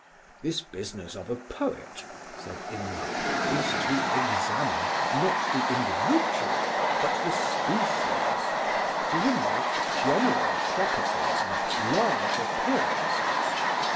"This business of a poet," said Imlac, "is to examine, not the individual, but the species; to remark general properties and large appearances.